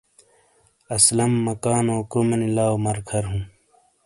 سلم مکانو کرومے نی لاؤ مر کھر ہوں